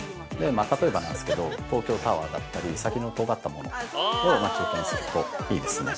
例えばなんですけど、東京タワーだったり先のとがったものを待ち受けにするといいですね。